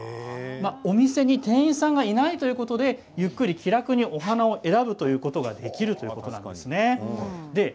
お店に店員さんがいないということでゆっくり気楽にお花を選ぶということができるんですね。